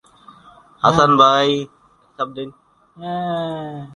স্বাধীনতার পর পশ্চিমবঙ্গ সরকার কলেজটির নাম পরিবর্তন করে "সেন্ট্রাল ক্যালকাটা কলেজ" রাখেন।